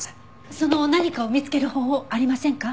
その「何か」を見つける方法ありませんか？